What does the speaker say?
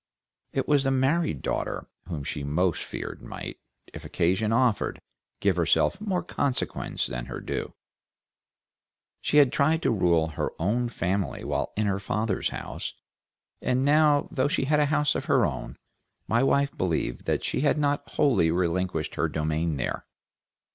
It was the married daughter whom she most feared might, if occasion offered, give herself more consequence than her due. She had tried to rule her own family while in her father's house, and now though she had a house of her own, my wife believed that she had not wholly relinquished her dominion there.